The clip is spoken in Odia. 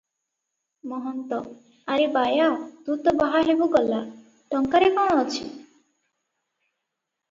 ମହନ୍ତ- ଆରେ ବାୟା! ତୁ ତ ବାହା ହେବୁ ଗଲା, ଟଙ୍କାରେ କଣ ଅଛି?